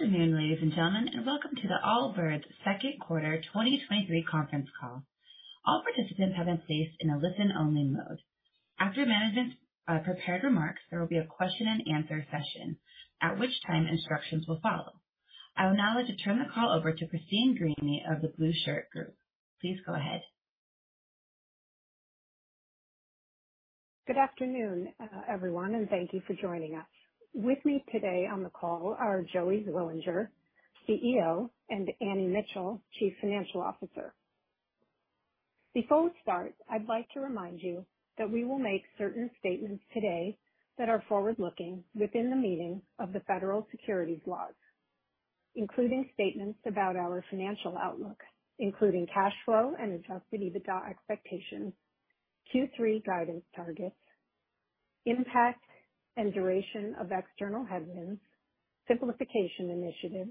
Good afternoon, ladies and gentlemen, and welcome to the Allbirds Second Quarter 2023 Conference Call. All participants have been placed in a listen-only mode. After management's prepared remarks, there will be a question-and-answer session, at which time instructions will follow. I will now turn the call over to Christine Greany of The Blueshirt Group. Please go ahead. Good afternoon, everyone, thank you for joining us. With me today on the call are Joey Zwillinger, CEO, and Annie Mitchell, Chief Financial Officer. Before we start, I'd like to remind you that we will make certain statements today that are forward-looking within the meaning of the federal securities laws, including statements about our financial outlook, including cash flow and Adjusted EBITDA expectations, Q3 guidance targets, impact and duration of external headwinds, simplification initiative,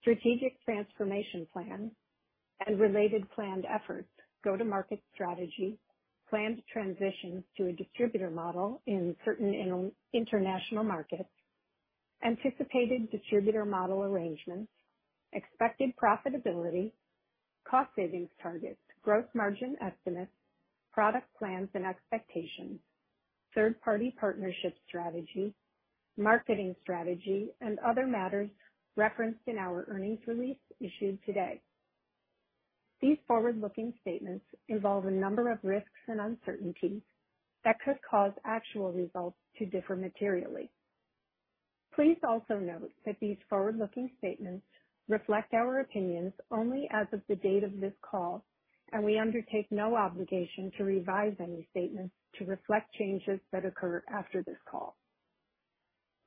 strategic transformation plan, and related planned efforts, go-to-market strategy, planned transition to a distributor model in certain international markets, anticipated distributor model arrangements, expected profitability, cost savings targets, gross margin estimates, product plans and expectations, third party partnership strategy, marketing strategy, and other matters referenced in our earnings release issued today. These forward-looking statements involve a number of risks and uncertainties that could cause actual results to differ materially. Please also note that these forward-looking statements reflect our opinions only as of the date of this call, and we undertake no obligation to revise any statements to reflect changes that occur after this call.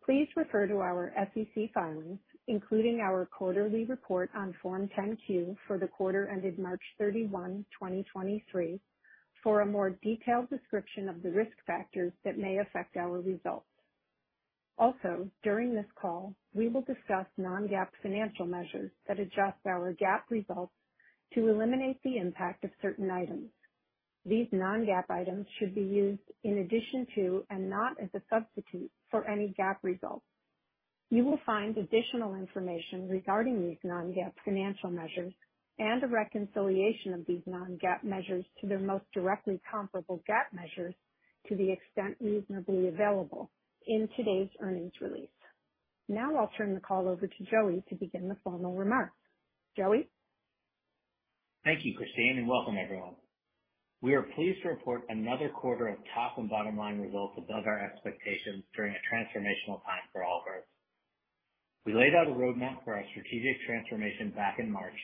Please refer to our SEC filings, including our quarterly report on Form 10-Q for the quarter ended March 31, 2023, for a more detailed description of the risk factors that may affect our results. Also, during this call, we will discuss non-GAAP financial measures that adjust our GAAP results to eliminate the impact of certain items. These non-GAAP items should be used in addition to, and not as a substitute for, any GAAP results. You will find additional information regarding these non-GAAP financial measures and a reconciliation of these non-GAAP measures to the most directly comparable GAAP measures, to the extent reasonably available in today's earnings release. Now I'll turn the call over to Joey to begin the formal remarks. Joey? Thank you, Christine. Welcome, everyone. We are pleased to report another quarter of top and bottom line results above our expectations during a transformational time for Allbirds. We laid out a roadmap for our strategic transformation back in March.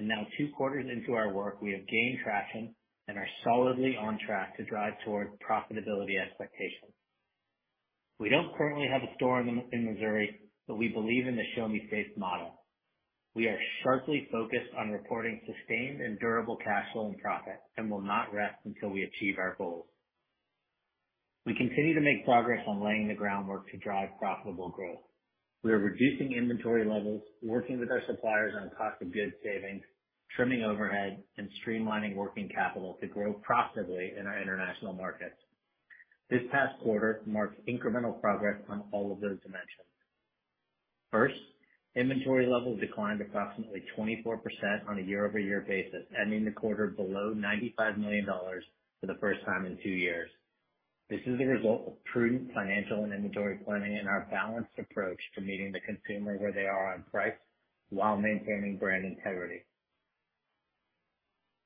Now two quarters into our work, we have gained traction and are solidly on track to drive toward profitability expectations. We don't currently have a store in, in Missouri. We believe in the Show-Me State model. We are sharply focused on reporting sustained and durable cash flow and profit and will not rest until we achieve our goals. We continue to make progress on laying the groundwork to drive profitable growth. We are reducing inventory levels, working with our suppliers on cost of goods savings, trimming overhead, and streamlining working capital to grow profitably in our international markets. This past quarter marks incremental progress on all of those dimensions. First, inventory levels declined approximately 24% on a year-over-year basis, ending the quarter below $95 million for the first time in two years. This is the result of prudent financial and inventory planning and our balanced approach to meeting the consumer where they are on price while maintaining brand integrity.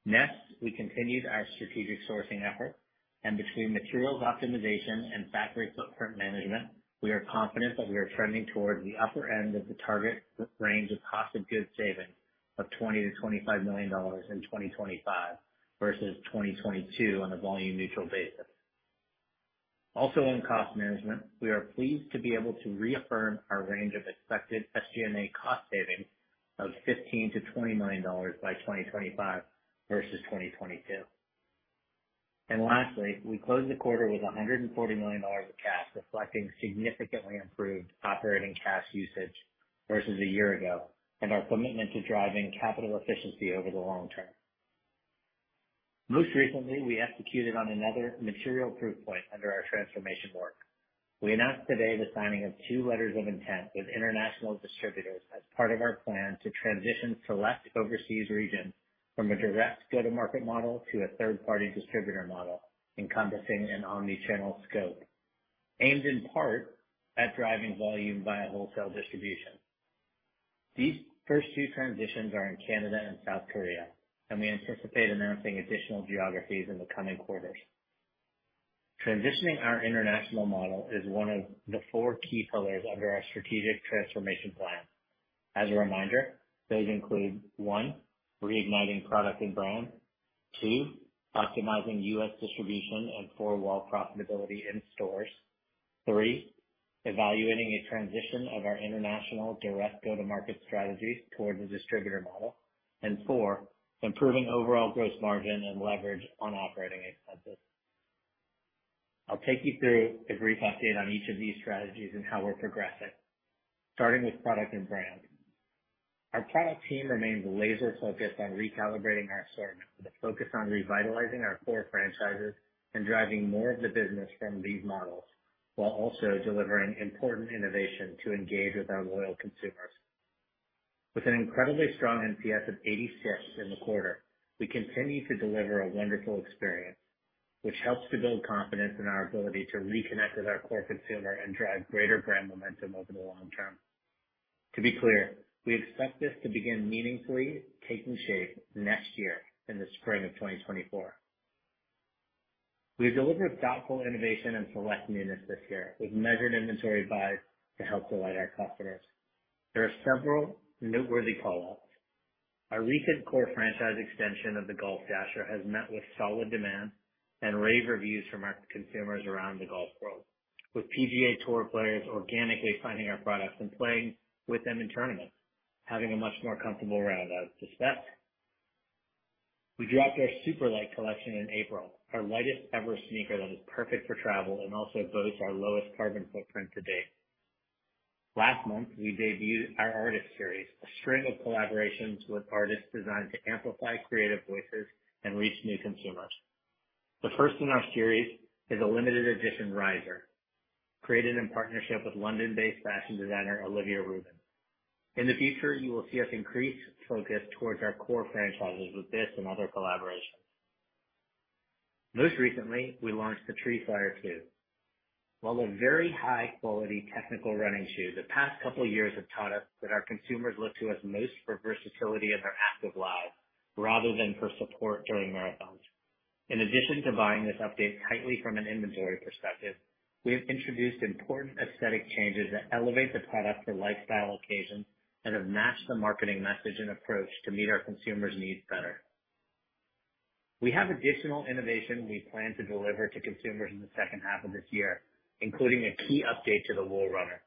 Next, we continued our strategic sourcing effort, and between materials optimization and factory footprint management, we are confident that we are trending toward the upper end of the target range of cost of goods savings of $20 million-$25 million in 2025 versus 2022 on a volume neutral basis. Also, in cost management, we are pleased to be able to reaffirm our range of expected SG&A cost savings of $15 million-$20 million by 2025 versus 2022. Lastly, we closed the quarter with $140 million of cash, reflecting significantly improved operating cash usage versus a year ago and our commitment to driving capital efficiency over the long term. Most recently, we executed on another material proof point under our transformation work. We announced today the signing of two letters of intent with international distributors as part of our plan to transition select overseas regions from a direct go-to-market model to a third-party distributor model, encompassing an omni-channel scope aimed in part at driving volume via wholesale distribution. These first two transitions are in Canada and South Korea, and we anticipate announcing additional geographies in the coming quarters. Transitioning our international model is one of the four key pillars under our strategic transformation plan. As a reminder, those include, one, reigniting product and brand. Two, optimizing U.S. distribution and four-wall profitability in stores. Three, evaluating a transition of our international direct go-to-market strategies toward a distributor model. Four, improving overall gross margin and leverage on operating expenses. I'll take you through a brief update on each of these strategies and how we're progressing, starting with product and brand. Our product team remains laser focused on recalibrating our assortment with a focus on revitalizing our core franchises and driving more of the business from these models, while also delivering important innovation to engage with our loyal consumers. With an incredibly strong NPS of 86 in the quarter, we continue to deliver a wonderful experience, which helps to build confidence in our ability to reconnect with our core consumer and drive greater brand momentum over the long term. To be clear, we expect this to begin meaningfully taking shape next year, in the spring of 2024. We have delivered thoughtful innovation and select newness this year with measured inventory buys to help delight our customers. There are several noteworthy callouts. Our recent core franchise extension of the Golf Dasher has met with solid demand and rave reviews from our consumers around the golf world, with PGA Tour players organically finding our products and playing with them in tournaments, having a much more comfortable round, I would suspect. We dropped our SuperLight collection in April, our lightest ever sneaker that is perfect for travel and also boasts our lowest carbon footprint to date. Last month, we debuted our Artist Series, a string of collaborations with artists designed to amplify creative voices and reach new consumers. The first in our series is a limited edition Riser, created in partnership with London-based fashion designer, Olivia Rubin. In the future, you will see us increase focus towards our core franchises with this and other collaborations. Most recently, we launched the Tree Flyer 2. While a very high-quality technical running shoe, the past couple of years have taught us that our consumers look to us most for versatility in their active lives rather than for support during marathons. In addition to buying this update tightly from an inventory perspective, we have introduced important aesthetic changes that elevate the product for lifestyle occasions and have matched the marketing message and approach to meet our consumers' needs better. We have additional innovation we plan to deliver to consumers in the second half of this year, including a key update to the Wool Runner.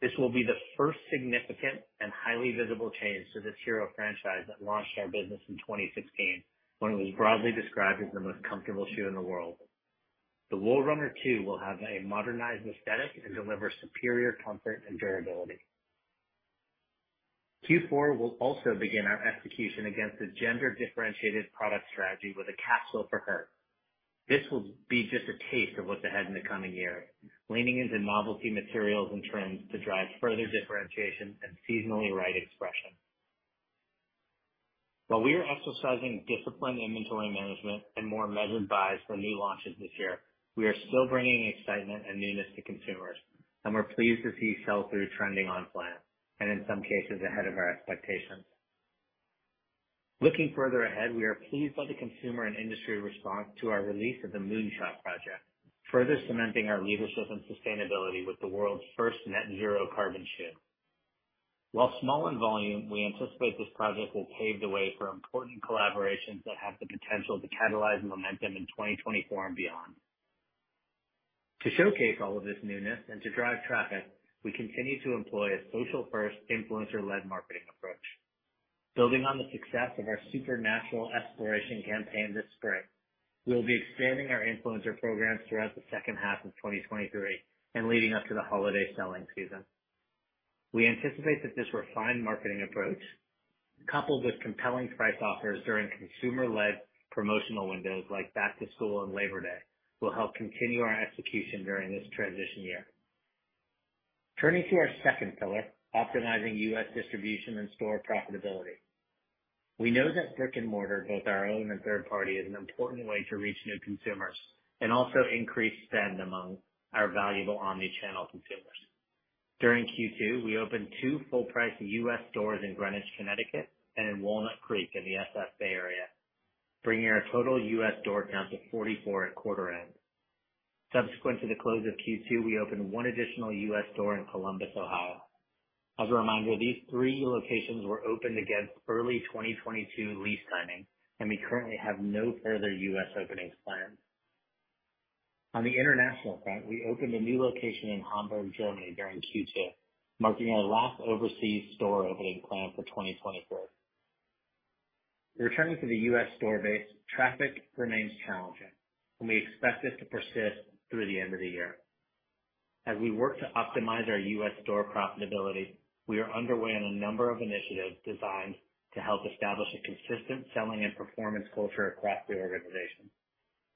This will be the first significant and highly visible change to this hero franchise that launched our business in 2016, when it was broadly described as the most comfortable shoe in the world. The Wool Runner 2 will have a modernized aesthetic and deliver superior comfort and durability. Q4 will also begin our execution against a gender differentiated product strategy with a capsule for her. This will be just a taste of what's ahead in the coming year, leaning into novelty materials and trends to drive further differentiation and seasonally right expression. While we are exercising disciplined inventory management and more measured buys for new launches this year, we are still bringing excitement and newness to consumers, and we're pleased to see sell-through trending on plan, and in some cases, ahead of our expectations. Looking further ahead, we are pleased by the consumer and industry response to our release of the M0.0NSHOT project, further cementing our leadership and sustainability with the world's first net zero carbon shoe. While small in volume, we anticipate this project will pave the way for important collaborations that have the potential to catalyze momentum in 2024 and beyond. To showcase all of this newness and to drive traffic, we continue to employ a social-first, influencer-led marketing approach. Building on the success of our Super Natural Exploration campaign this spring, we will be expanding our influencer programs throughout the second half of 2023 and leading up to the holiday selling season. We anticipate that this refined marketing approach, coupled with compelling price offers during consumer-led promotional windows like Back to School and Labor Day, will help continue our execution during this transition year. Turning to our second pillar, optimizing U.S. distribution and store profitability. We know that brick-and-mortar, both our own and third party, is an important way to reach new consumers and also increase spend among our valuable omni-channel consumers. During Q2, we opened two full price U.S. stores in Greenwich, Connecticut, and in Walnut Creek in the SF Bay Area, bringing our total U.S. store count to 44 at quarter end. Subsequent to the close of Q2, we opened one additional U.S. store in Columbus, Ohio. As a reminder, these three locations were opened against early 2022 lease signing, and we currently have no further U.S. openings planned. On the international front, we opened a new location in Hamburg, Germany, during Q2, marking our last overseas store opening plan for 2024. Returning to the U.S. store base, traffic remains challenging, and we expect this to persist through the end of the year. As we work to optimize our U.S. store profitability, we are underway on a number of initiatives designed to help establish a consistent selling and performance culture across the organization.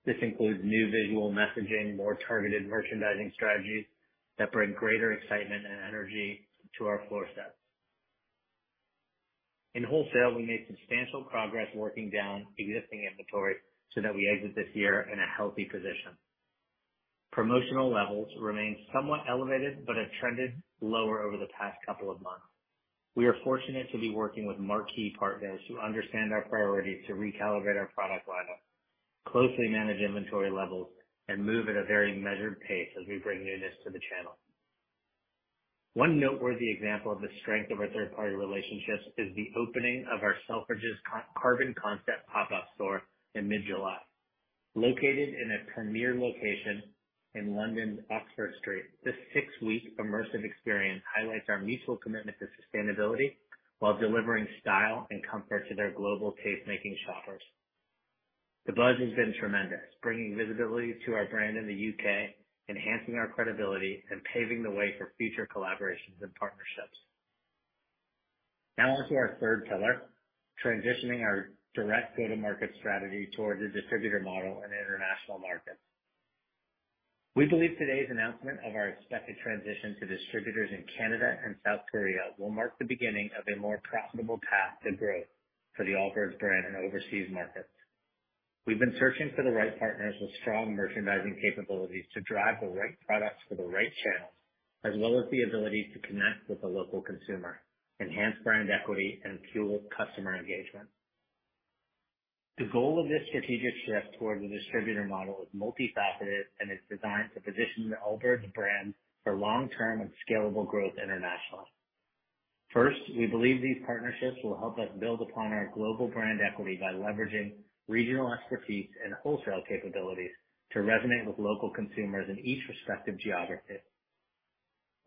This includes new visual messaging, more targeted merchandising strategies that bring greater excitement and energy to our floor sets. In wholesale, we made substantial progress working down existing inventory so that we exit this year in a healthy position. Promotional levels remain somewhat elevated, but have trended lower over the past couple of months. We are fortunate to be working with marquee partners who understand our priorities to recalibrate our product lineup, closely manage inventory levels, and move at a very measured pace as we bring newness to the channel. One noteworthy example of the strength of our third-party relationships is the opening of our Selfridges carbon concept pop-up store in mid-July. Located in a premier location in London's Oxford Street, this six-week immersive experience highlights our mutual commitment to sustainability while delivering style and comfort to their global taste-making shoppers. The buzz has been tremendous, bringing visibility to our brand in the U.K., enhancing our credibility and paving the way for future collaborations and partnerships. Now on to our third pillar, transitioning our direct go-to-market strategy towards a distributor model in international markets. We believe today's announcement of our expected transition to distributors in Canada and South Korea will mark the beginning of a more profitable path to growth for the Allbirds brand in overseas markets. We've been searching for the right partners with strong merchandising capabilities to drive the right products for the right channels, as well as the ability to connect with the local consumer, enhance brand equity and fuel customer engagement. The goal of this strategic shift toward the distributor model is multifaceted and is designed to position the Allbirds brand for long-term and scalable growth internationally. First, we believe these partnerships will help us build upon our global brand equity by leveraging regional expertise and wholesale capabilities to resonate with local consumers in each respective geography.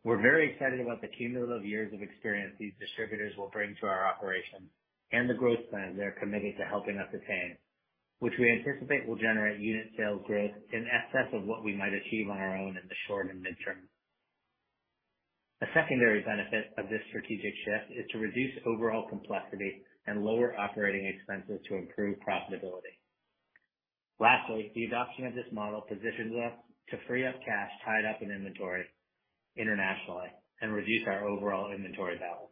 We're very excited about the cumulative years of experience these distributors will bring to our operations and the growth plan they're committed to helping us attain, which we anticipate will generate unit sales growth in excess of what we might achieve on our own in the short and midterm. A secondary benefit of this strategic shift is to reduce overall complexity and lower operating expenses to improve profitability. Lastly, the adoption of this model positions us to free up cash tied up in inventory internationally and reduce our overall inventory balance.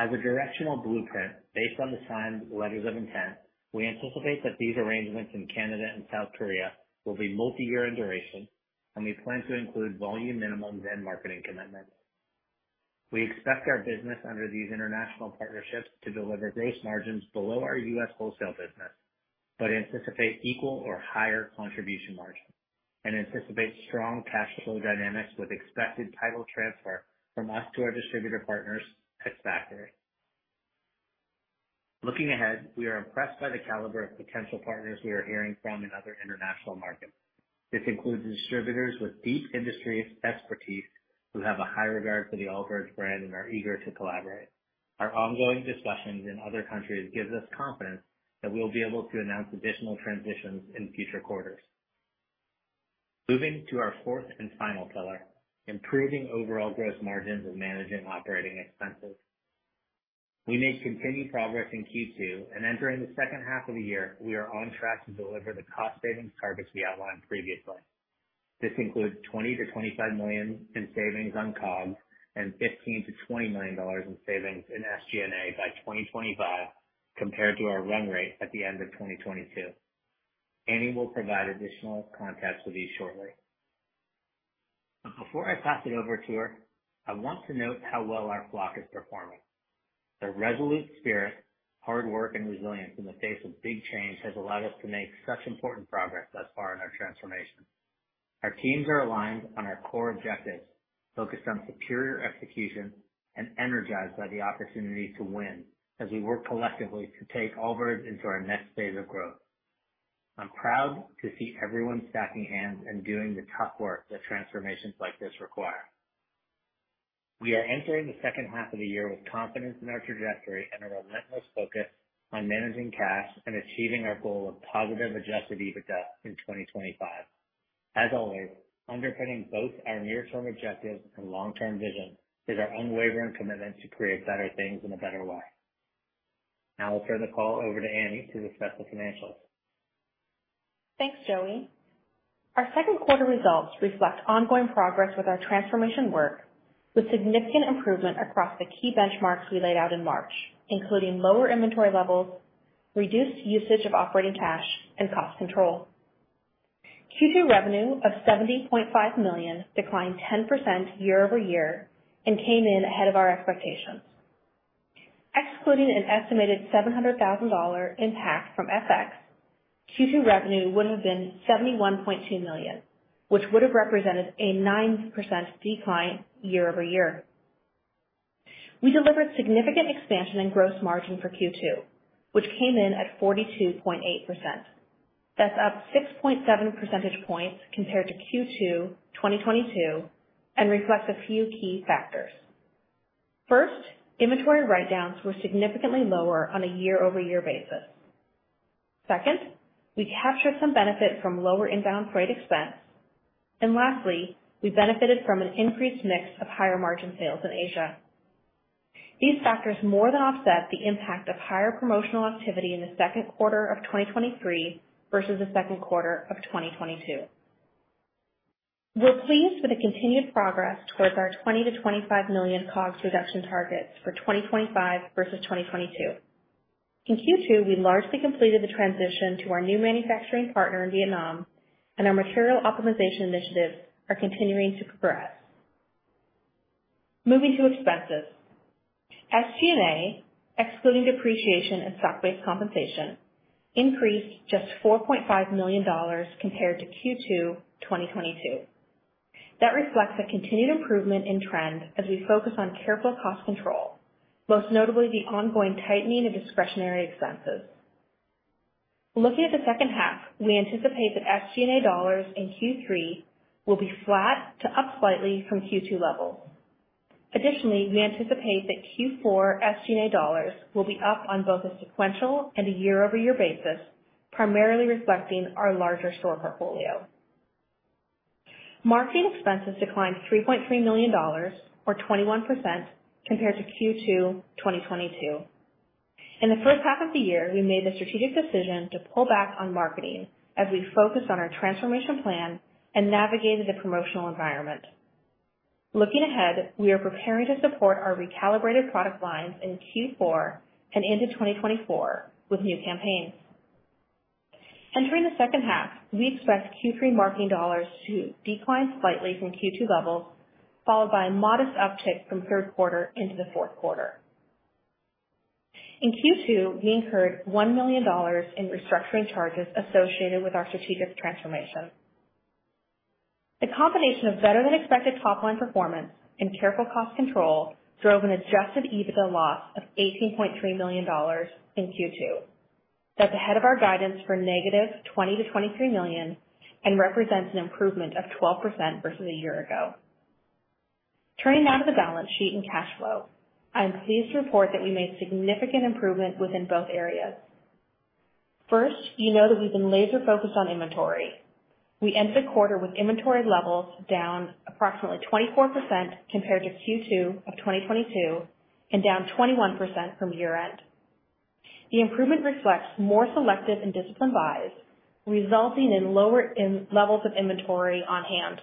As a directional blueprint, based on the signed letters of intent, we anticipate that these arrangements in Canada and South Korea will be multiyear in duration, and we plan to include volume minimums and marketing commitments. We expect our business under these international partnerships to deliver base margins below our U.S. Wholesale business, but anticipate equal or higher contribution margins and anticipate strong cash flow dynamics with expected title transfer from us to our distributor partners ex factory. Looking ahead, we are impressed by the caliber of potential partners we are hearing from in other international markets. This includes distributors with deep industry expertise, who have a high regard for the Allbirds brand and are eager to collaborate. Our ongoing discussions in other countries gives us confidence that we will be able to announce additional transitions in future quarters. Moving to our fourth and final pillar, improving overall gross margins and managing operating expenses. We made continued progress in Q2, and entering the second half of the year, we are on track to deliver the cost savings targets we outlined previously. This includes $20 million-$25 million in savings on COGS and $15 million-$20 million in savings in SG&A by 2025, compared to our run rate at the end of 2022. Annie will provide additional context for these shortly. But before I pass it over to her, I want to note how well our flock is performing. Their resolute spirit, hard work and resilience in the face of big change has allowed us to make such important progress thus far in our transformation. Our teams are aligned on our core objectives, focused on superior execution and energized by the opportunity to win as we work collectively to take Allbirds into our next phase of growth. I'm proud to see everyone stacking hands and doing the tough work that transformations like this require. We are entering the second half of the year with confidence in our trajectory and a relentless focus on managing cash and achieving our goal of positive Adjusted EBITDA in 2025. As always, underpinning both our near-term objectives and long-term vision is our unwavering commitment to create better things in a better way. Now I'll turn the call over to Annie to discuss the financials. Thanks, Joey. Our second quarter results reflect ongoing progress with our transformation work, with significant improvement across the key benchmarks we laid out in March, including lower inventory levels, reduced usage of operating cash, and cost control. Q2 revenue of $70.5 million declined 10% year-over-year and came in ahead of our expectations. Excluding an estimated $700,000 impact from FX, Q2 revenue would have been $71.2 million, which would have represented a 9% decline year-over-year. We delivered significant expansion in gross margin for Q2, which came in at 42.8%. That's up 6.7 percentage points compared to Q2 2022. Reflects a few key factors. First, inventory write-downs were significantly lower on a year-over-year basis. Second, we captured some benefit from lower inbound freight expense. Lastly, we benefited from an increased mix of higher margin sales in Asia. These factors more than offset the impact of higher promotional activity in Q2 2023 versus Q2 2022. We're pleased with the continued progress towards our $20 million-$25 million COGS reduction targets for 2025 versus 2022. In Q2, we largely completed the transition to our new manufacturing partner in Vietnam, and our material optimization initiatives are continuing to progress. Moving to expenses. SG&A, excluding depreciation and stock-based compensation, increased just $4.5 million compared to Q2 2022. That reflects a continued improvement in trend as we focus on careful cost control, most notably the ongoing tightening of discretionary expenses. Looking at the second half, we anticipate that SG&A dollars in Q3 will be flat to up slightly from Q2 levels. Additionally, we anticipate that Q4 SG&A dollars will be up on both a sequential and a year-over-year basis, primarily reflecting our larger store portfolio. Marketing expenses declined $3.3 million or 21% compared to Q2, 2022. In the first half of the year, we made the strategic decision to pull back on marketing as we focused on our transformation plan and navigated the promotional environment. Looking ahead, we are preparing to support our recalibrated product lines in Q4 and into 2024 with new campaigns. Entering the second half, we expect Q3 marketing dollars to decline slightly from Q2 levels, followed by a modest uptick from third quarter into the fourth quarter. In Q2, we incurred $1 million in restructuring charges associated with our strategic transformation. The combination of better than expected top line performance and careful cost control drove an Adjusted EBITDA loss of $18.3 million in Q2. That's ahead of our guidance for negative $20 million-$23 million and represents an improvement of 12% versus a year ago. Turning now to the balance sheet and cash flow, I am pleased to report that we made significant improvement within both areas. First, you know that we've been laser focused on inventory. We ended the quarter with inventory levels down approximately 24% compared to Q2 of 2022, and down 21% from year end. The improvement reflects more selective and disciplined buys, resulting in lower levels of inventory on hand.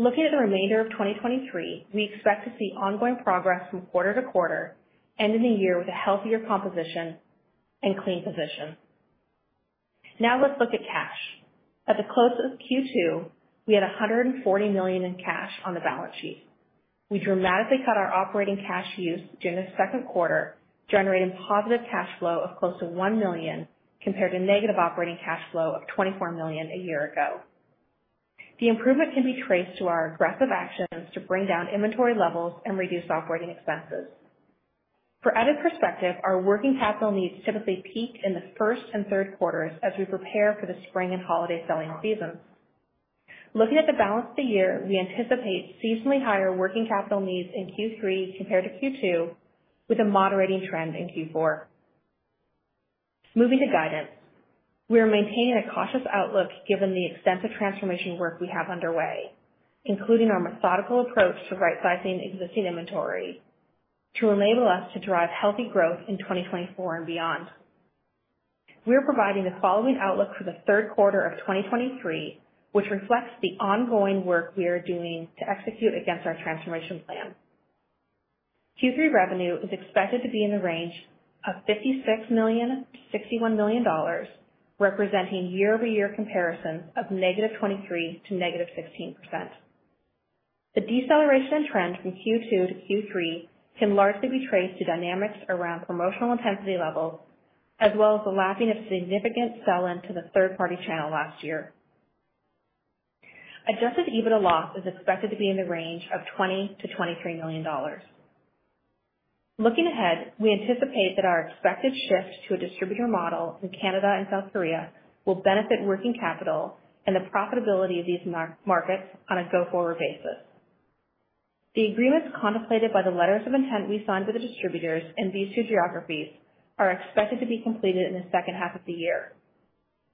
Looking at the remainder of 2023, we expect to see ongoing progress from quarter to quarter, ending the year with a healthier composition and clean position. Now let's look at cash. At the close of Q2, we had $140 million in cash on the balance sheet. We dramatically cut our operating cash use during the second quarter, generating positive cash flow of close to $1 million, compared to negative operating cash flow of $24 million a year ago. The improvement can be traced to our aggressive actions to bring down inventory levels and reduce operating expenses. For added perspective, our working capital needs typically peak in the first and third quarters as we prepare for the spring and holiday selling seasons. Looking at the balance of the year, we anticipate seasonally higher working capital needs in Q3 compared to Q2, with a moderating trend in Q4. Moving to guidance, we are maintaining a cautious outlook given the extensive transformation work we have underway, including our methodical approach to rightsizing existing inventory, to enable us to drive healthy growth in 2024 and beyond. We are providing the following outlook for the third quarter of 2023, which reflects the ongoing work we are doing to execute against our transformation plan. Q3 revenue is expected to be in the range of $56 million-$61 million, representing year-over-year comparison of -23% to -16%. The deceleration in trend from Q2 to Q3 can largely be traced to dynamics around promotional intensity levels, as well as the lacking of significant sell-in to the third-party channel last year. Adjusted EBITDA loss is expected to be in the range of $20 million-$23 million. Looking ahead, we anticipate that our expected shift to a distributor model in Canada and South Korea will benefit working capital and the profitability of these markets on a go-forward basis. The agreements contemplated by the letters of intent we signed with the distributors in these two geographies are expected to be completed in the second half of the year.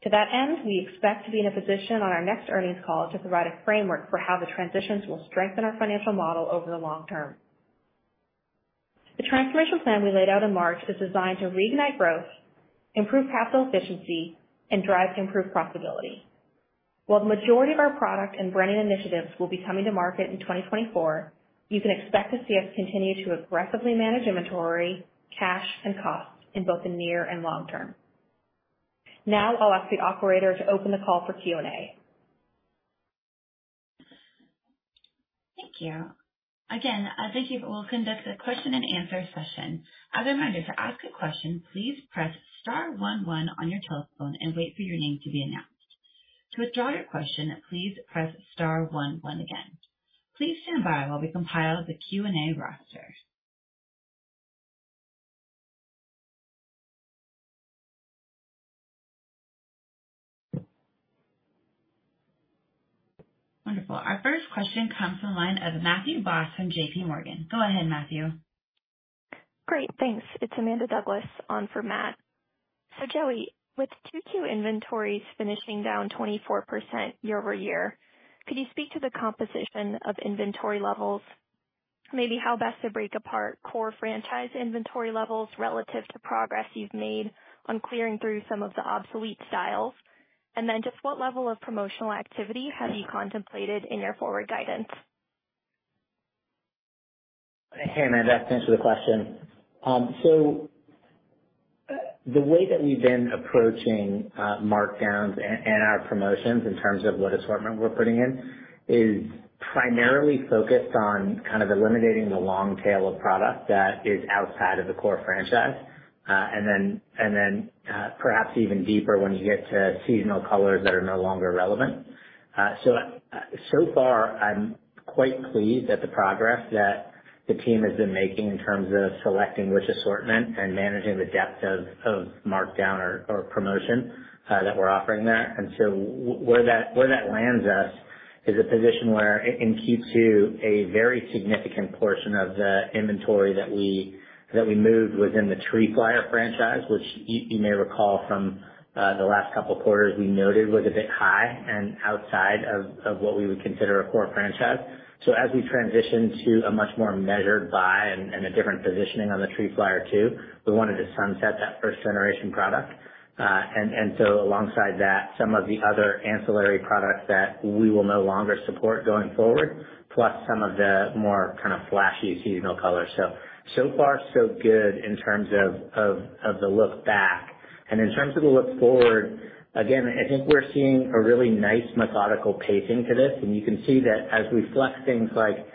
To that end, we expect to be in a position on our next earnings call to provide a framework for how the transitions will strengthen our financial model over the long term. The transformation plan we laid out in March is designed to reignite growth, improve capital efficiency, and drive improved profitability. While the majority of our product and branding initiatives will be coming to market in 2024, you can expect to see us continue to aggressively manage inventory, cash, and costs in both the near and long term. Now I'll ask the operator to open the call for Q&A. Thank you. Again, thank you. We'll conduct a question and answer session. As a reminder, to ask a question, please press star one one on your telephone and wait for your name to be announced. To withdraw your question, please press star one one again. Please stand by while we compile the Q&A roster. Wonderful. Our first question comes from the line of Matthew Boss from JPMorgan. Go ahead, Matthew. Great, thanks. It's Amanda Douglas on for Matt. Joey, with Q2 inventories finishing down 24% year-over-year, could you speak to the composition of inventory levels, maybe how best to break apart core franchise inventory levels relative to progress you've made on clearing through some of the obsolete styles? Just what level of promotional activity have you contemplated in your forward guidance? Hey, Amanda. Thanks for the question. The way that we've been approaching markdowns and, and our promotions in terms of what assortment we're putting in, is primarily focused on kind of eliminating the long tail of product that is outside of the core franchise. Then, and then, perhaps even deeper when you get to seasonal colors that are no longer relevant. So far, I'm quite pleased at the progress that the team has been making in terms of selecting which assortment and managing the depth of, of markdown or, or promotion that we're offering there. Where that lands us is a position where, in Q2, a very significant portion of the inventory that we, that we moved was in the Tree Flyer franchise, which you, you may recall from the last couple of quarters, we noted was a bit high and outside of, of what we would consider a core franchise. As we transition to a much more measured buy and a different positioning on the Tree Flyer 2, we wanted to sunset that first generation product. Alongside that, some of the other ancillary products that we will no longer support going forward, plus some of the more kind of flashy seasonal colors. So far, so good in terms of the look back. In terms of the look forward, again, I think we're seeing a really nice methodical pacing to this. You can see that as we flex things like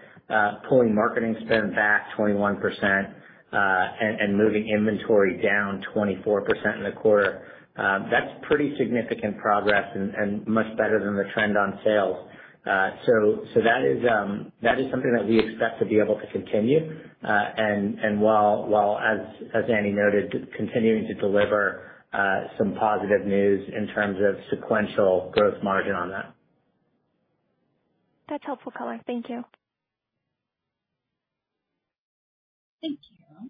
pulling marketing spend back 21%, and moving inventory down 24% in the quarter, that's pretty significant progress and much better than the trend on sales. So that is something that we expect to be able to continue. While as Annie noted, continuing to deliver some positive news in terms of sequential growth margin on that. That's helpful color. Thank you. Thank you.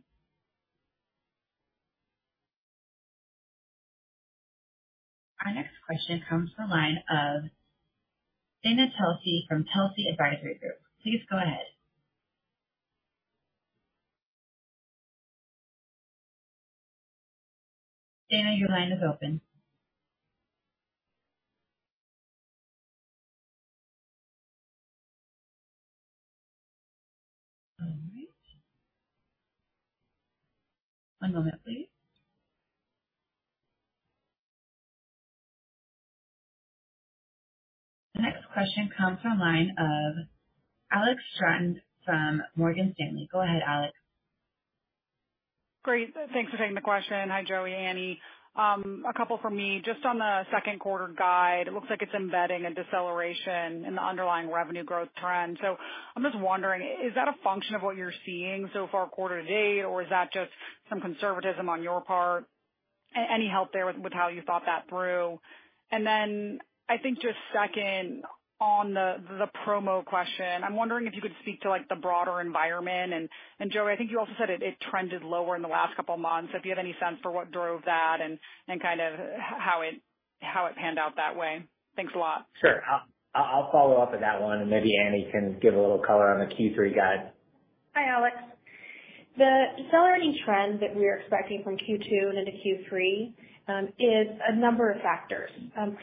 Our next question comes from the line of Dana Telsey from Telsey Advisory Group. Please go ahead. Dana, your line is open. All right. One moment, please. The next question comes from line of Alex Straton from Morgan Stanley. Go ahead, Alex. Great. Thanks for taking the question. Hi, Joey, Annie. A couple from me, just on the second quarter guide, it looks like it's embedding a deceleration in the underlying revenue growth trend. I'm just wondering, is that a function of what you're seeing so far quarter to date, or is that just some conservatism on your part? Any help there with how you thought that through? Then I think just second on the promo question, I'm wondering if you could speak to like the broader environment. Joey, I think you also said it, it trended lower in the last couple of months. If you have any sense for what drove that and how it panned out that way. Thanks a lot. Sure. I'll, I'll follow up with that one. Maybe Annie can give a little color on the Q3 guide. Hi, Alex. The decelerating trend that we are expecting from Q2 and into Q3 is a number of factors.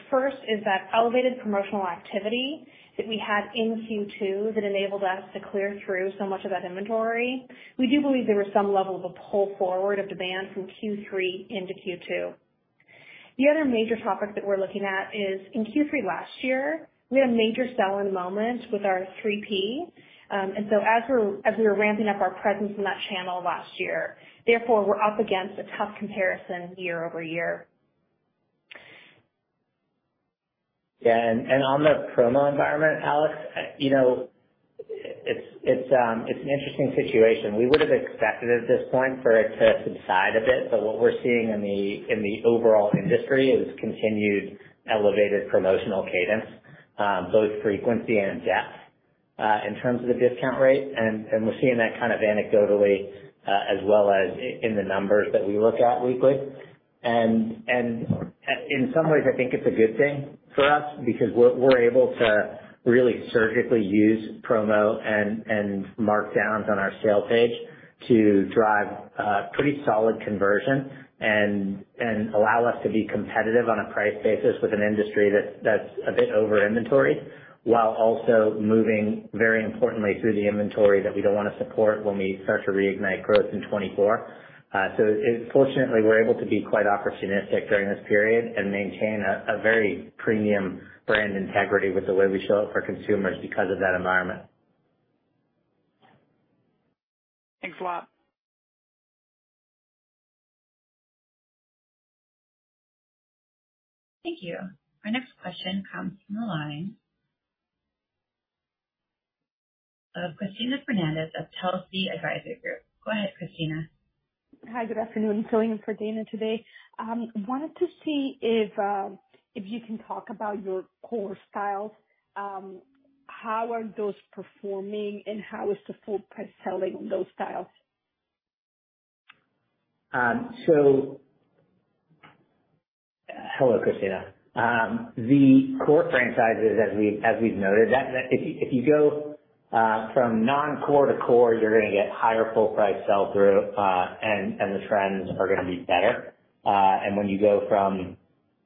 First is that elevated promotional activity that we had in Q2 that enabled us to clear through so much of that inventory. We do believe there was some level of a pull forward of demand from Q3 into Q2. The other major topic that we're looking at is in Q3 last year, we had a major seller in the moment with our 3P. So as we were ramping up our presence in that channel last year, therefore, we're up against a tough comparison year-over-year. Yeah, and, and on the promo environment, Alex, you know, it's, it's, it's an interesting situation. We would have expected at this point for it to subside a bit, but what we're seeing in the, in the overall industry is continued elevated promotional cadence, both frequency and depth, in terms of the discount rate. And we're seeing that kind of anecdotally, as well as in the numbers that we look at weekly. In some ways, I think it's a good thing for us because we're able to really surgically use promo and markdowns on our sale page to drive pretty solid conversion and allow us to be competitive on a price basis with an industry that's a bit over inventoried, while also moving, very importantly, through the inventory that we don't want to support when we start to reignite growth in 2024. Fortunately, we're able to be quite opportunistic during this period and maintain a very premium brand integrity with the way we show up for consumers because of that environment. Thanks a lot. Thank you. Our next question comes from the line of Cristina Fernandez of Telsey Advisory Group. Go ahead, Cristina. Hi, good afternoon. Filling in for Dana today. Wanted to see if, if you can talk about your core styles, how are those performing and how is the full price selling on those styles? Hello, Cristina. The core franchises as we, as we've noted, that, that if you, if you go, from non-core to core, you're gonna get higher full price sell-through, and, and the trends are gonna be better. When you go from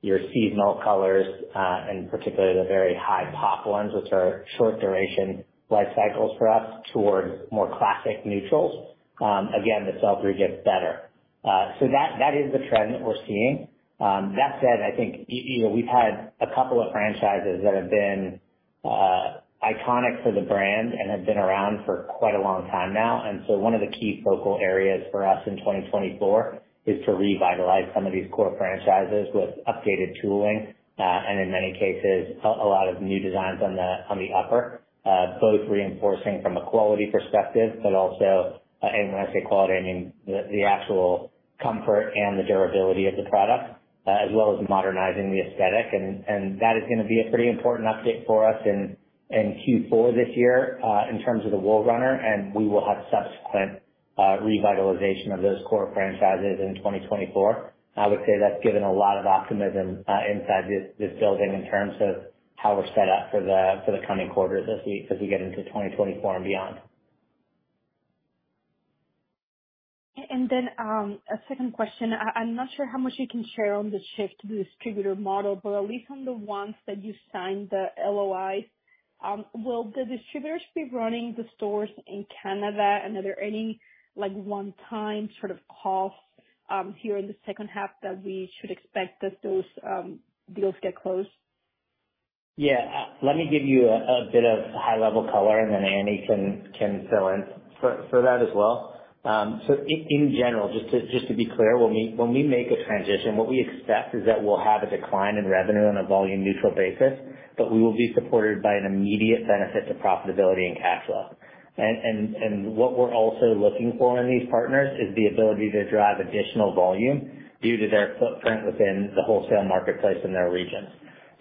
your seasonal colors, and particularly the very high pop ones, which are short duration life cycles for us towards more classic neutrals, again, the sell-through gets better. That, that is the trend that we're seeing. That said, I think, you know, we've had a couple of franchises that have been iconic for the brand and have been around for quite a long time now. One of the key focal areas for us in 2024 is to revitalize some of these core franchises with updated tooling, and in many cases, a lot of new designs on the upper. Both reinforcing from a quality perspective, but also, and when I say quality, I mean the actual comfort and the durability of the product, as well as modernizing the aesthetic. That is going to be a pretty important update for us in Q4 this year, in terms of the Wool Runner, and we will have subsequent revitalization of those core franchises in 2024. I would say that's given a lot of optimism inside this building in terms of how we're set up for the coming quarters as we get into 2024 and beyond. A second question, I'm not sure how much you can share on the shift to the distributor model, but at least on the ones that you signed the LOI, will the distributors be running the stores in Canada, and are there any, like, 1-time sort of costs, here in the second half that we should expect that those deals get closed? Yeah. Let me give you a bit of high-level color, and then Annie can fill in for that as well. In general, just to be clear, when we make a transition, what we expect is that we'll have a decline in revenue on a volume neutral basis, but we will be supported by an immediate benefit to profitability and cash flow. What we're also looking for in these partners is the ability to drive additional volume due to their footprint within the wholesale marketplace in their regions.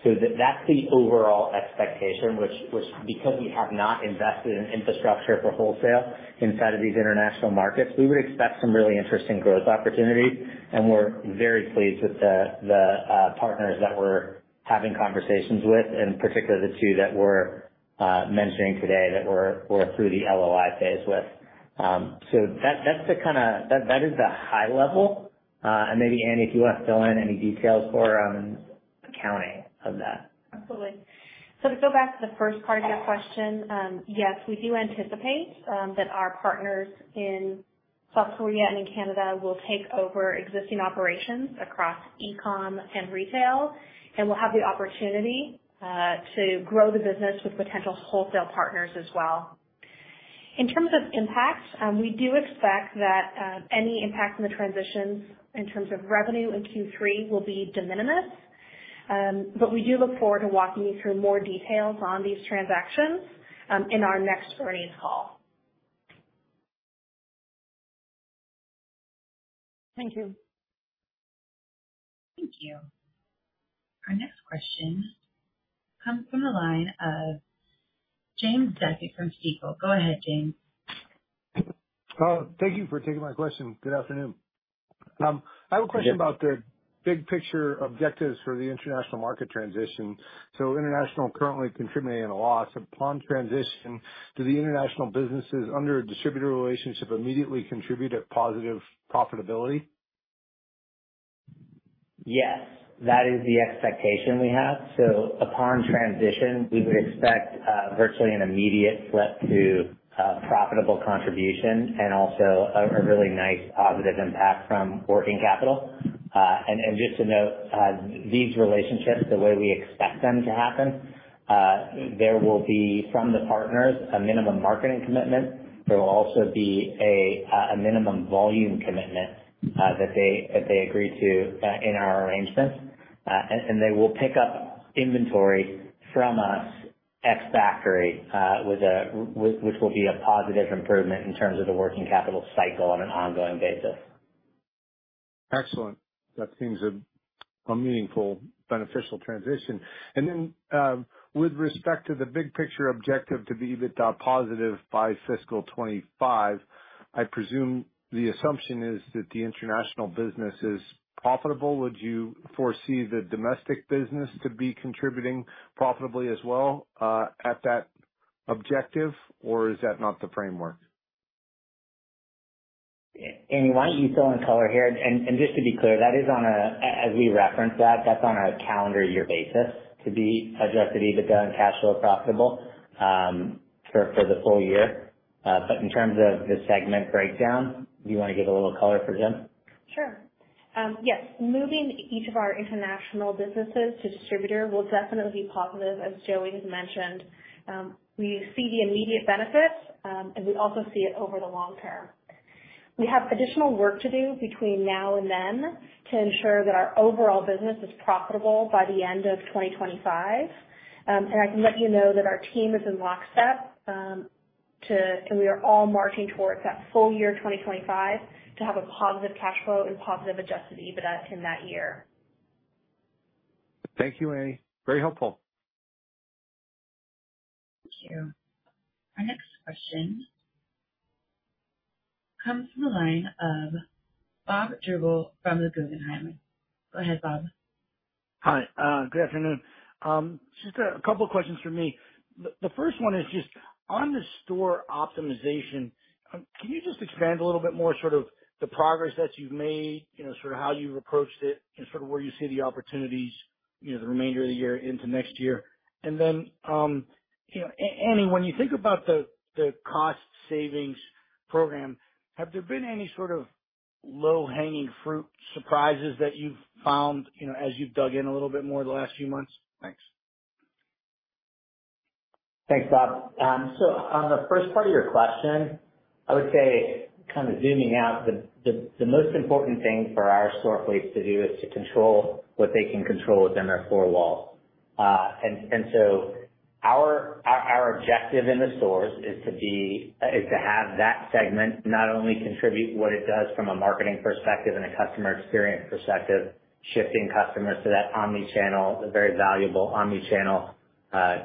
That's the overall expectation, which because we have not invested in infrastructure for wholesale inside of these international markets, we would expect some really interesting growth opportunities. We're very pleased with the, the partners that we're having conversations with, particularly the two that we're mentioning today, that we're, we're through the LOI phase with. That, that's the kind of... That, that is the high level. Maybe, Annie, if you want to fill in any details or accounting of that. Absolutely. To go back to the first part of your question, yes, we do anticipate that our partners in South Korea and in Canada will take over existing operations across e-com and retail, and we'll have the opportunity to grow the business with potential wholesale partners as well. In terms of impact, we do expect that any impact in the transitions in terms of revenue in Q3 will be de minimis. We do look forward to walking you through more details on these transactions in our next earnings call. Thank you. Thank you. Our next question comes from the line of James Duffy from Stifel. Go ahead, James. Thank you for taking my question. Good afternoon. I have a question. Yes. about the big picture objectives for the international market transition. International currently contributing a loss. Upon transition, do the international businesses under a distributor relationship immediately contribute a positive profitability? Yes, that is the expectation we have. Upon transition, we would expect virtually an immediate flip to profitable contribution and also a really nice positive impact from working capital. Just to note, these relationships, the way we expect them to happen, there will be, from the partners, a minimum marketing commitment. There will also be a minimum volume commitment that they agree to in our arrangements. They will pick up inventory from us ex factory, which will be a positive improvement in terms of the working capital cycle on an ongoing basis. Excellent. That seems a, a meaningful, beneficial transition. Then, with respect to the big picture objective, to be EBITDA positive by fiscal 2025, I presume the assumption is that the international business is profitable. Would you foresee the domestic business to be contributing profitably as well, at that objective, or is that not the framework? Annie, why don't you fill in color here? Just to be clear, that is on a calendar year basis to be Adjusted EBITDA and cash flow profitable for the full year. In terms of the segment breakdown, do you want to give a little color for Jim? Sure. Yes, moving each of our international businesses to distributor will definitely be positive, as Joey has mentioned. We see the immediate benefits, and we also see it over the long term. We have additional work to do between now and then, to ensure that our overall business is profitable by the end of 2025. I can let you know that our team is in lockstep, and we are all marching towards that full year, 2025, to have a positive cash flow and positive Adjusted EBITDA in that year. Thank you, Annie. Very helpful. Thank you. Our next question comes from the line of Bob Drbul from Guggenheim Securities. Go ahead, Bob. Hi, good afternoon. Just a couple questions from me. The first one is just on the store optimization, can you just expand a little bit more sort of the progress that you've made, you know, sort of how you've approached it and sort of where you see the opportunities, you know, the remainder of the year into next year? Then, you know, Annie, when you think about the cost savings program, have there been any sort of, low hanging fruit surprises that you've found, you know, as you've dug in a little bit more in the last few months? Thanks. Thanks, Bob. On the first part of your question, I would say kind of zooming out, the, the, the most important thing for our store fleet to do is to control what they can control within their four walls. Our objective in the stores is to have that segment not only contribute what it does from a marketing perspective and a customer experience perspective, shifting customers to that omni-channel, the very valuable omni-channel,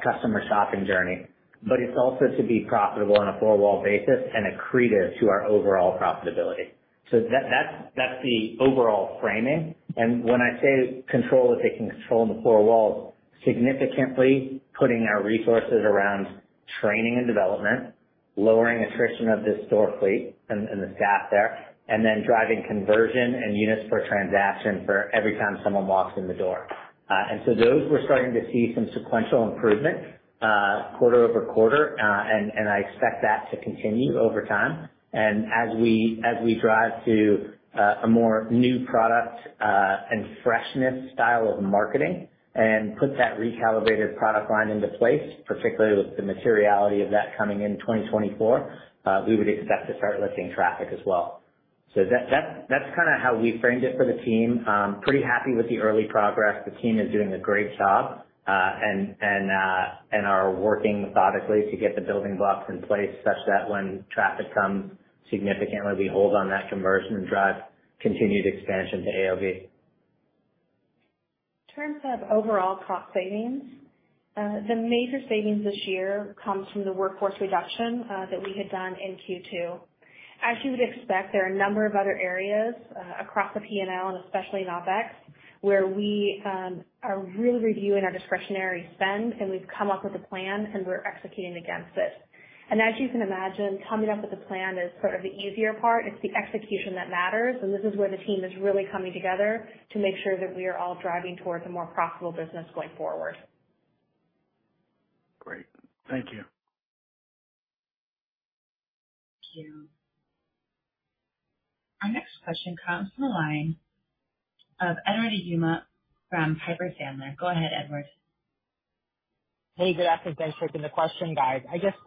customer shopping journey, but it's also to be profitable on a four-wall basis and accretive to our overall profitability. That's, that's the overall framing. When I say control, what they can control in the four walls, significantly putting our resources around training and development, lowering attrition of the store fleet and, and the staff there, and then driving conversion and units per transaction for every time someone walks in the door. Those we're starting to see some sequential improvement, quarter-over-quarter. I expect that to continue over time. As we, as we drive to a more new product, and freshness style of marketing and put that recalibrated product line into place, particularly with the materiality of that coming in 2024, we would expect to start lifting traffic as well. That, that's, that's kind of how we framed it for the team. Pretty happy with the early progress. The team is doing a great job, and, and are working methodically to get the building blocks in place such that when traffic comes significantly, we hold on that conversion and drive continued expansion to AOV. In terms of overall cost savings, the major savings this year comes from the workforce reduction that we had done in Q2. As you would expect, there are a number of other areas across the P&L and especially in OpEx, where we are really reviewing our discretionary spend, and we've come up with a plan, and we're executing against it. As you can imagine, coming up with a plan is sort of the easier part. It's the execution that matters, and this is where the team is really coming together to make sure that we are all driving towards a more profitable business going forward. Great. Thank you. Thank you. Our next question comes from the line of Edward Yruma from Piper Sandler. Go ahead, Edward. Hey, good afternoon. Thanks for taking the question, guys. I just,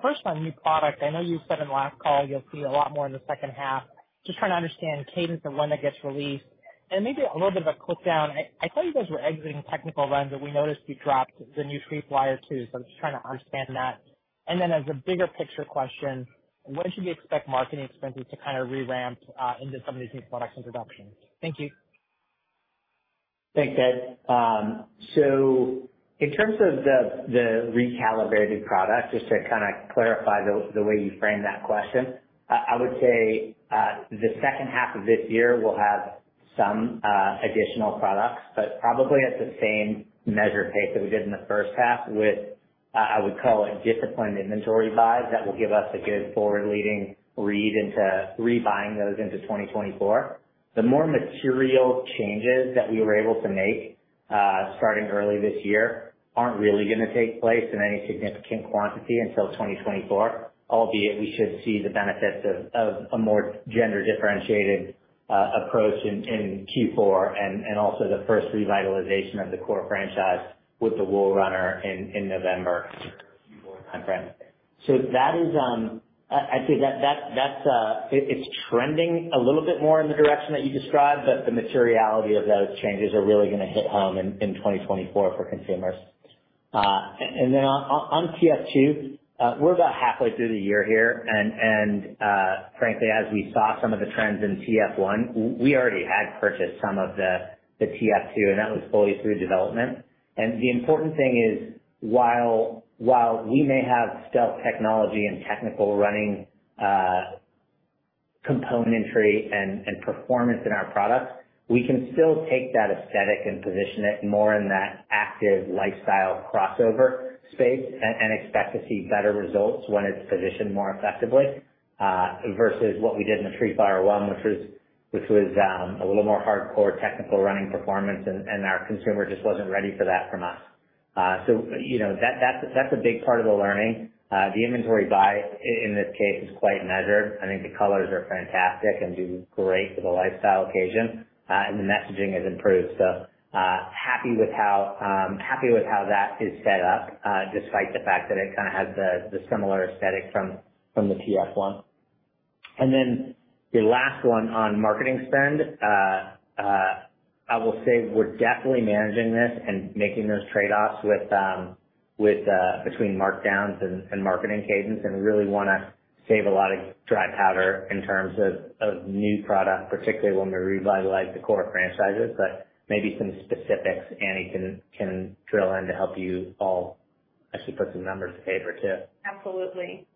first on new product, I know you said on the last call, you'll see a lot more in the second half. Just trying to understand cadence and when that gets released and maybe a little bit of a click down. I, I thought you guys were exiting technical runs, but we noticed you dropped the new Tree Flyer 2. I'm just trying to understand that. And then as a bigger picture question, when should we expect marketing expenses to kind of re-ramp into some of these new product introductions? Thank you. Thanks, Ed. In terms of the, the recalibrated product, just to kind of clarify the, the way you framed that question, I, I would say the second half of this year will have some additional products, but probably at the same measured pace that we did in the first half with I would call it disciplined inventory buys. That will give us a good forward-leading read into rebuying those into 2024. The more material changes that we were able to make, starting early this year, aren't really gonna take place in any significant quantity until 2024. Albeit, we should see the benefits of, of a more gender differentiated approach in, in Q4 and, and also the first revitalization of the core franchise with the Wool Runner in, in November timeframe. That is. I'd say that, that's, it's trending a little bit more in the direction that you described, but the materiality of those changes are really gonna hit home in, in 2024 for consumers. And then on, on, on TF2, we're about halfway through the year here. Frankly, as we saw some of the trends in TF1, we already had purchased some of the, the TF2, and that was fully through development. The important thing is, while, while we may have stealth technology and technical running, componentry and performance in our products, we can still take that aesthetic and position it more in that active lifestyle crossover space and expect to see better results when it's positioned more effectively, versus what we did in the Tree Flyer 1, which was a little more hardcore technical running performance, and our consumer just wasn't ready for that from us. You know, that's a big part of the learning. The inventory buy in this case is quite measured. I think the colors are fantastic and do great for the lifestyle occasion, and the messaging has improved. Happy with how happy with how that is set up despite the fact that it kind of has the similar aesthetic from the TF1. The last one on marketing spend. I will say we're definitely managing this and making those trade-offs with between markdowns and marketing cadence, and we really wanna save a lot of dry powder in terms of new product, particularly when we revitalize the core franchises. Maybe some specifics, Annie can drill in to help you all as she put some numbers to paper, too. Absolutely.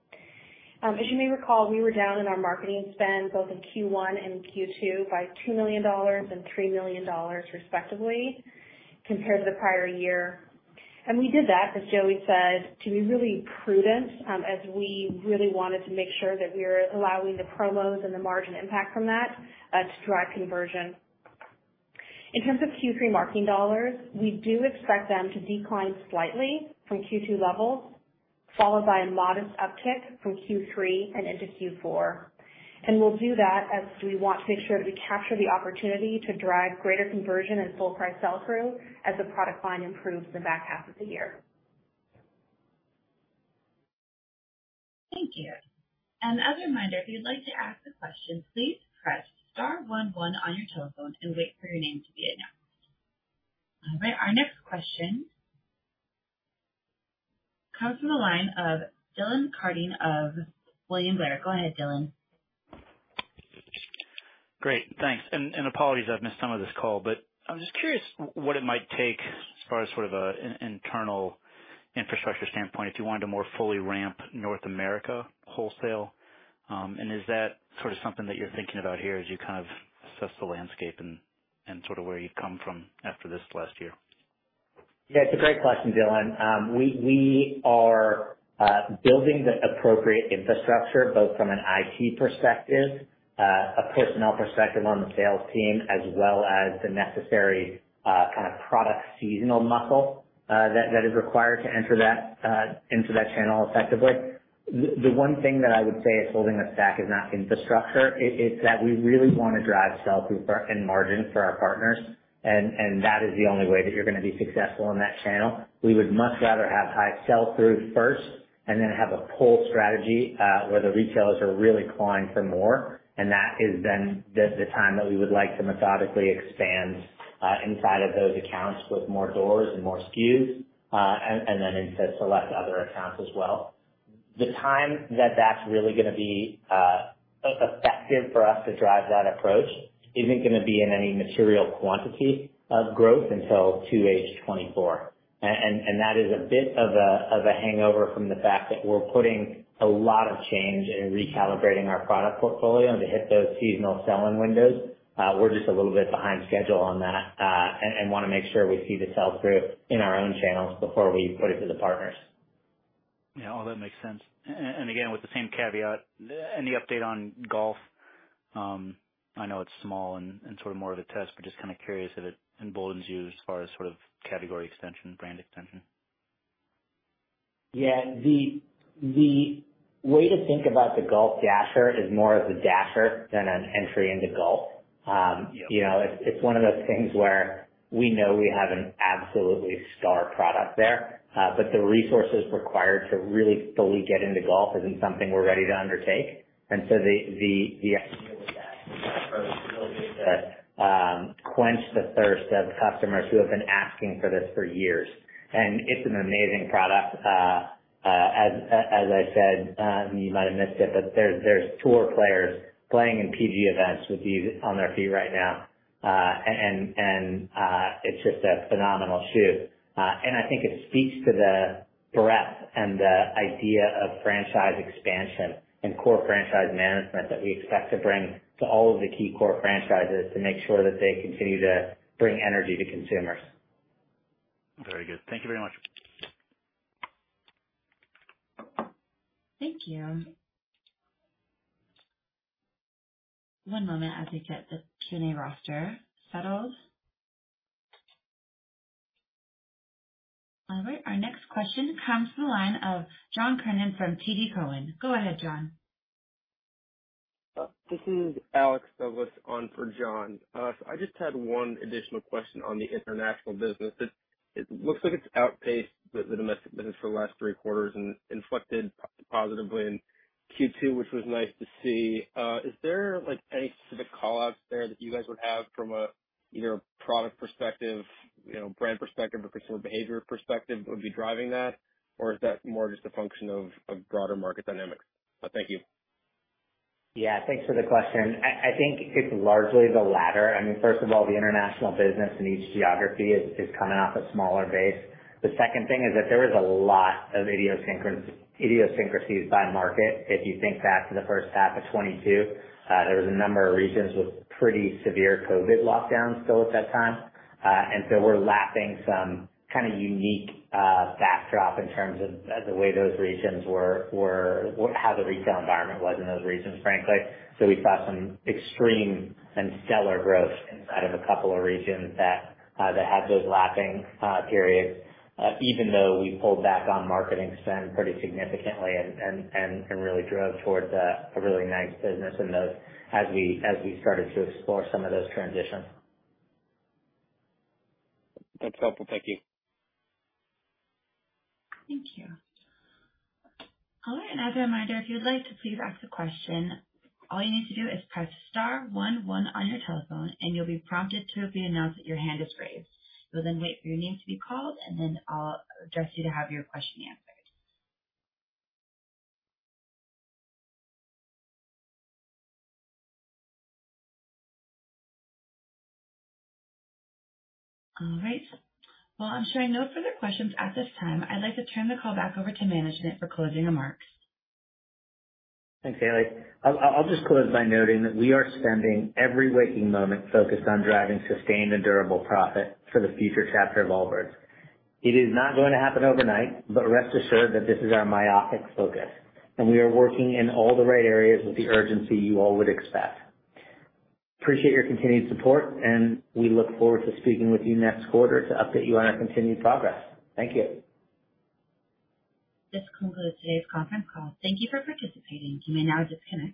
As you may recall, we were down in our marketing spend both in Q1 and Q2 by $2 million and $3 million, respectively, compared to the prior year. We did that, as Joey said, to be really prudent, as we really wanted to make sure that we were allowing the promos and the margin impact from that to drive conversion. In terms of Q3 marketing dollars, we do expect them to decline slightly from Q2 levels, followed by a modest uptick from Q3 and into Q4. We'll do that as we want to make sure that we capture the opportunity to drive greater conversion and full price sell-through as the product line improves in the back half of the year. Thank you. As a reminder, if you'd like to ask a question, please press star one one on your telephone and wait for your name to be announced. All right, our next question comes from the line of Dylan Carden of William Blair. Go ahead, Dylan. Great, thanks. And, and apologies, I've missed some of this call, but I'm just curious what it might take as far as sort of a in-internal infrastructure standpoint, if you wanted to more fully ramp North America wholesale. Is that sort of something that you're thinking about here as you kind of assess the landscape and, and sort of where you've come from after this last year? Yeah, it's a great question, Dylan. We, we are building the appropriate infrastructure, both from an IT perspective, a personnel perspective on the sales team, as well as the necessary, kind of product seasonal muscle, that, that is required to enter that, into that channel effectively. The, the one thing that I would say is holding us back is not infrastructure. It, it's that we really want to drive sell-through for, and margin for our partners, and, and that is the only way that you're going to be successful in that channel. We would much rather have high sell-through first and then have a pull strategy, where the retailers are really calling for more, and that is then the, the time that we would like to methodically expand inside of those accounts with more doors and more SKUs, and then into select other accounts as well. The time that that's really going to be effective for us to drive that approach isn't going to be in any material quantity of growth until 2H 2024. That is a bit of a, of a hangover from the fact that we're putting a lot of change in recalibrating our product portfolio to hit those seasonal selling windows. We're just a little bit behind schedule on that, and want to make sure we see the sell-through in our own channels before we put it to the partners. Yeah, all that makes sense. Again, with the same caveat, any update on golf? I know it's small and sort of more of a test, but just kind of curious if it emboldens you as far as sort of category extension, brand extension. Yeah. The way to think about the Golf Dasher is more as a Dasher than an entry into golf. you know, it's one of those things where we know we have an absolutely star product there, but the resources required to really fully get into golf isn't something we're ready to undertake. So the idea with that is to quench the thirst of customers who have been asking for this for years. It's an amazing product. as, as I said, you might have missed it, but there's, there's tour players playing in PGA events with these on their feet right now. It's just a phenomenal shoe. I think it speaks to the breadth and the idea of franchise expansion and core franchise management that we expect to bring to all of the key core franchises to make sure that they continue to bring energy to consumers. Very good. Thank you very much. Thank you. One moment as we get the Q&A roster settled. All right, our next question comes from the line of John Kernan from TD Cowen. Go ahead, John. This is Alex Douglas on for John. I just had one additional question on the international business. It looks like it's outpaced the domestic business for the last three quarters and inflected positively in Q2, which was nice to see. Is there, like, any specific call-outs there that you guys would have from a, either a product perspective, you know, brand perspective, or consumer behavior perspective would be driving that? Or is that more just a function of broader market dynamics? Thank you. Yeah, thanks for the question. I think it's largely the latter. I mean, first of all, the international business in each geography is coming off a smaller base. The second thing is that there is a lot of idiosyncrasies by market. If you think back to the first half of 2022, there was a number of regions with pretty severe COVID lockdowns still at that time. So we're lapping some kind of unique backdrop in terms of the way those regions were... How the retail environment was in those regions, frankly. We saw some extreme and stellar growth inside of a couple of regions that had those lapping periods, even though we pulled back on marketing spend pretty significantly, really drove towards a really nice business in those as we started to explore some of those transitions. That's helpful. Thank you. Thank you. All right, as a reminder, if you'd like to please ask a question, all you need to do is press star one one on your telephone and you'll be prompted to be announced that your hand is raised. You'll then wait for your name to be called, then I'll address you to have your question answered. All right. Well, I'm showing no further questions at this time. I'd like to turn the call back over to management for closing remarks. Thanks, Haley. I'll just close by noting that we are spending every waking moment focused on driving sustained and durable profit for the future chapter of Allbirds. It is not going to happen overnight, rest assured that this is our myopic focus, and we are working in all the right areas with the urgency you all would expect. Appreciate your continued support, we look forward to speaking with you next quarter to update you on our continued progress. Thank you. This concludes today's conference call. Thank you for participating. You may now disconnect.